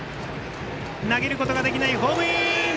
投げることができないホームイン！